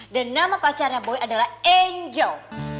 dan nama pacarnya boy adalah angel